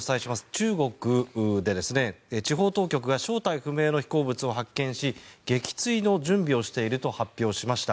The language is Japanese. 中国で地方当局が正体不明の飛行物を発見し撃墜の準備をしていると発表しました。